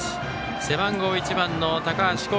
背番号１番の高橋煌